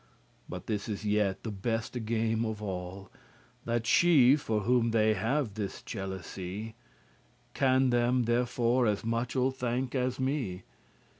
But this is yet the beste game* of all, *joke That she, for whom they have this jealousy, Can them therefor as muchel thank as me.